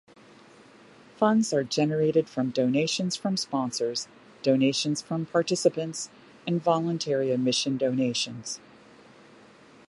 Funds are generated from donations from sponsors, donations from participants and voluntary admission donations.